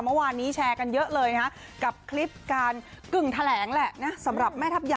เมื่อวานนี้แชร์กันเยอะเลยนะฮะกับคลิปการกึ่งแถลงแหละนะสำหรับแม่ทัพยา